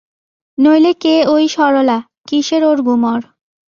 নইলে কে ঐ সরলা, কিসের ওর গুমর।